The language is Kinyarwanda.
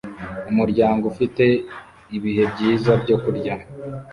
Umuryango ufite ibihe byiza byo kurya